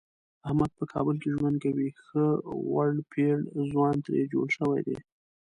احمد په کابل کې ژوند کوي ښه غوړپېړ ځوان ترې جوړ شوی دی.